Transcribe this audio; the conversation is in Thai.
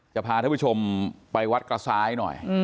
จะพาท่านผู้ชมไปวัดกระซ้ายหน่อย